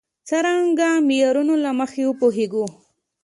څرنګه معیارونو له مخې وپوهېږو.